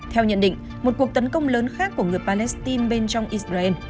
theo nhận định một cuộc tấn công lớn khác của người palestine bên trong israel